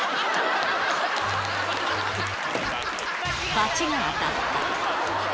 罰が当たった。